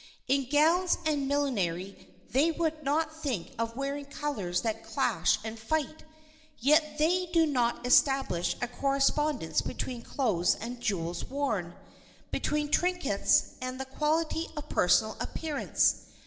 In gowns and millinery they would not think of wearing colors that clash and fight, yet they do not establish a correspondence between clothes and jewels worn, between trinkets and the quality of personal appearance.